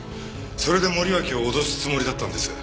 それで森脇を脅すつもりだったんです。